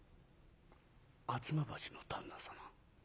吾妻橋の旦那様」。